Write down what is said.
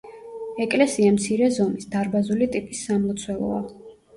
ეკლესია მცირე ზომის, დარბაზული ტიპის სამლოცველოა.